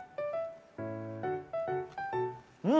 うん！